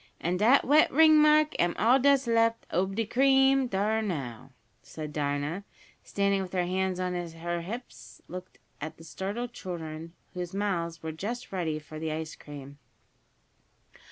An' dat wet ringmark am all dat's left ob de cream, dar now!" and Dinah, standing with her hands on her hips, looked at the startled children, whose mouths were just ready for the ice cream.